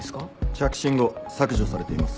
着信後削除されています。